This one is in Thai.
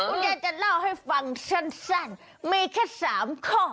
คุณยายจะเล่าให้ฟังสั้นมีแค่๓ข้อ